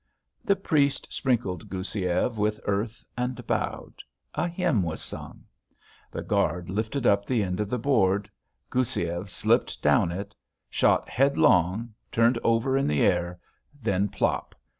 The priest sprinkled Goussiev with earth and bowed. A hymn was sung. The guard lifted up the end of the board, Goussiev slipped down it; shot headlong, turned over in the air, then plop!